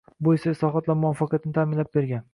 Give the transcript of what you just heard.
Bu esa islohotlar muvaffaqiyatini ta’minlab bergan.